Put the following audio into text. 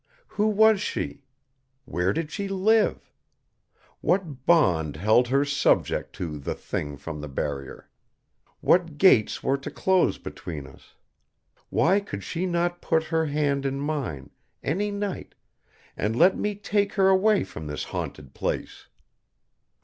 Who was she? Where did she live? What bond held her subject to the Thing from the Barrier? What gates were to close between us? Why could she not put her hand in mine, any night, and let me take her away from this haunted place?